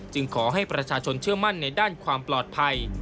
ขอให้ประชาชนเชื่อมั่นในด้านความปลอดภัย